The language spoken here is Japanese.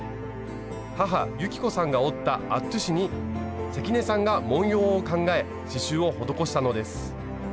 母雪子さんが織ったアットゥに関根さんが文様を考え刺しゅうを施したのです。